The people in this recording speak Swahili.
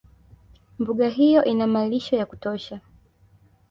Mbuga hiyo ina malisho ya kutosha